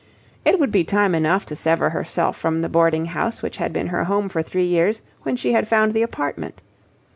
It would be time enough to sever herself from the boarding house which had been her home for three years when she had found the apartment.